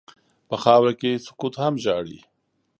په خاوره کې سکوت هم ژاړي.